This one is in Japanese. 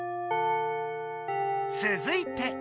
続いて。